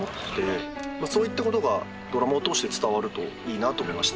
そういったことがドラマを通して伝わるといいなと思いました。